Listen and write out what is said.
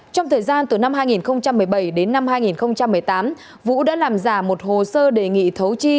trong thời gian từ năm hai nghìn một mươi bảy đến năm hai nghìn một mươi tám vũ đã làm giả một hồ sơ đề nghị thấu chi